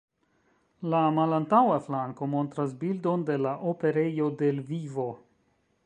La malantaŭa flanko montras bildon de la operejo de Lvivo.